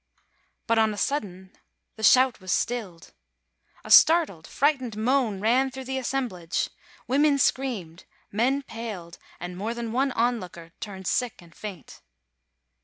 But on a sudden the shout was stilled. A startled, frightened moan ran through the assemblage. Women screamed, men paled and more than one onlooker turned sick and faint.